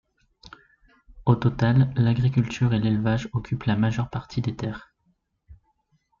Au total, l'agriculture et l'élevage occupent la majeure partie des terres.